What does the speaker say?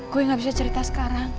gue gak bisa cerita sekarang